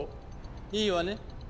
いいわね？